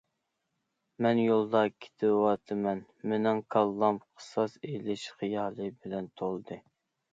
مەن يولدا كېتىۋاتىمەن، مېنىڭ كاللام قىساس ئېلىش خىيالى بىلەن تولدى.